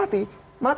maka kita harus memilih